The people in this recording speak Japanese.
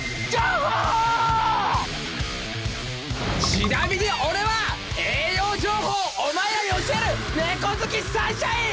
ちなみに俺は栄養情報をお前らに教える猫好きサンシャイン！